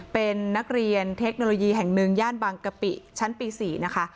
เป็นนักเรียนเทคโนโลยีแห่งหนึ่งย่านบางกะปิชั้นปี๔นะคะ